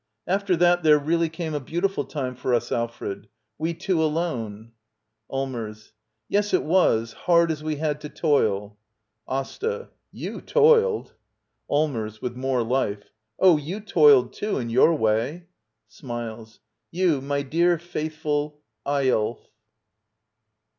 ] After that there reall y c ame a beautifu l time for us,_AITreT ^ we7tvsrp alon^i^ Allmers. Yes, it was — hard as we had to toil. Asta. You toiled. Allmers. [With more life.] Oh, you toiled too, in your way. [Smiles.] You, my dear, faith ful— Eyolf.